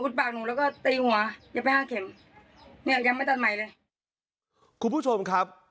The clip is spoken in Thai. คุณผู้ชมครับ